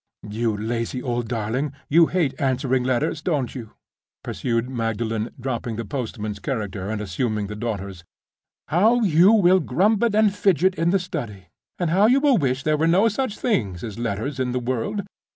You lazy old darling, you hate answering letters, don't you?" pursued Magdalen, dropping the postman's character and assuming the daughter's. "How you will grumble and fidget in the study! and how you will wish there were no such things as letters in the world!